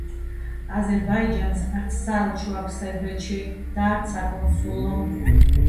აზერბაიჯანს არც საელჩო აქვს სერბეთში და არც საკონსულო.